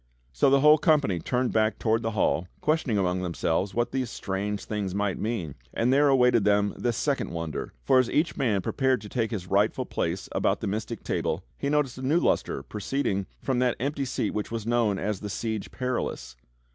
So the whole company turned back toward the hall, questioning among themselves what these strange things might mean, and there awaited them the second wonder; for as each man prepared to take his rightful place about the mystic Table he noticed a new lustre proceeding from that empty seat which was known as the Siege Perilous.